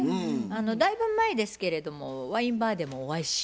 だいぶ前ですけれどもワインバーでもお会いしましたよね？